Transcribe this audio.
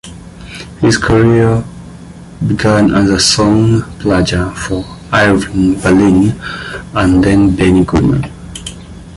His career began as a song plugger for Irving Berlin and then Benny Goodman.